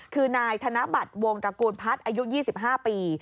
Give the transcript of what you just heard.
คือนายธนบัตรวงตระกูลพัฒน์อายุ๒๕ปี